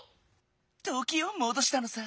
ときをもどしたのさ！